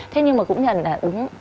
thế nhưng mà cũng nhận là đúng